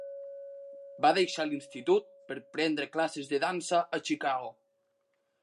Va deixar l'institut per prendre classes de dansa a Chicago.